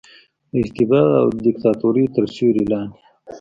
د استبداد او دیکتاتورۍ تر سیورې لاندې